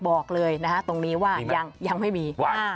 บอกเลยนะฮะตรงนี้ว่ายังไม่มี